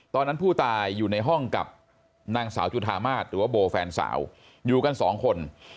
ตอนนั้นผู้ตายอยู่ในห้องกับนางสาวจุธามาศหรือว่าโบแฟนสาวอยู่กันสองคน